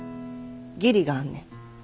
義理があんねん。